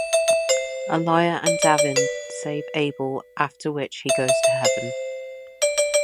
Alia and Davin save Abel after which he goes to heaven.